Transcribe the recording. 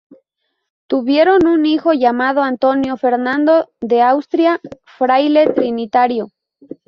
Tuvieron un hijo llamado Antonio Fernando de Austria, fraile trinitario.